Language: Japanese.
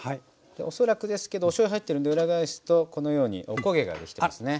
恐らくですけどおしょうゆ入ってるんで裏返すとこのようにおこげができてますね。